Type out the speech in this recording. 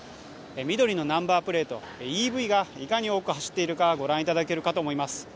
緑のナンバープレート、ＥＶがいかに多く走っているかがご覧いただけるかと思います。